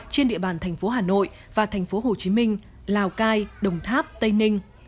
trên địa bàn thành phố hà nội và thành phố hồ chí minh lào cai đồng tháp tây ninh